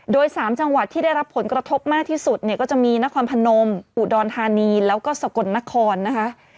โดย๓จังหวัดที่ได้รับผลกระทบมากที่สุดเนี่ยก็จะมีนครพนมอุดรธานีแล้วก็สกลนครนะคะ